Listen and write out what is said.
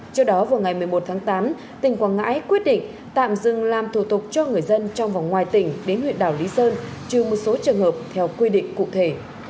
trước đó vào ngày một mươi một tháng tám tỉnh quảng ngãi quyết định tạm dừng làm thủ tục cho người dân trong và ngoài tỉnh đến huyện đảo lý sơn trừ một số trường hợp theo quy định cụ thể